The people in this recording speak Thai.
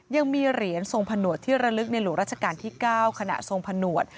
ยังมีเหรียญทรงผนวดที่ระลึกในหลวงราชการที่๙ขณะทรงผนวด